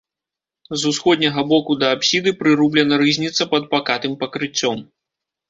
З усходняга боку да апсіды прырублена рызніца пад пакатым пакрыццём.